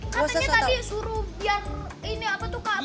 katanya tadi suruh biar ini apa tuh kakak yang